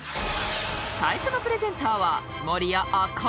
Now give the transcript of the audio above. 最初のプレゼンターは守屋茜